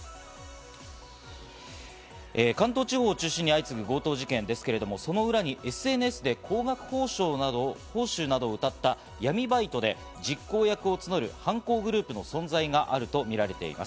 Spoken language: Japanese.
関東地方を中心に相次ぐ強盗事件ですけれども、その裏にＳＮＳで高額報酬などをうたった闇バイトなどで実行役を募る犯行グループの存在があるとみられています。